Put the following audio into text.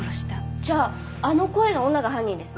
じゃああの声の女が犯人ですね。